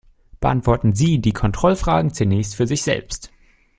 Beantworten Sie die Kontrollfragen zunächst für sich selbst.